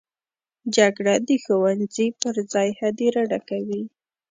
جګړه د ښوونځي پر ځای هدیره ډکوي